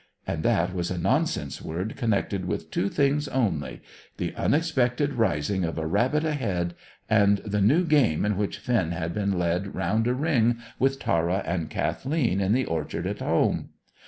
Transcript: And that was a nonsense word connected with two things only: the unexpected rising of a rabbit ahead, and the new game in which Finn had been led round a ring with Tara and Kathleen in the orchard at home.